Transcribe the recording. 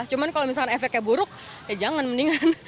cuman kalau misalkan efeknya buruk ya jangan mendingan